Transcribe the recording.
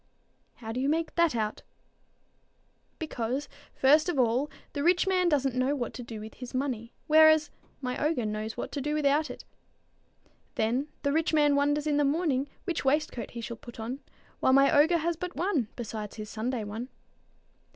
"How do you make that out?" "Because, first of all, the rich man doesn't know what to do with his money, whereas my ogre knows what to do without it. Then the rich man wonders in the morning which waistcoat he shall put on, while my ogre has but one, besides his Sunday one.